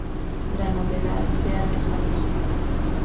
La novedad se ha desvanecido.